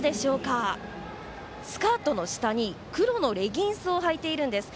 スカートの下に黒のレギンスをはいているんです。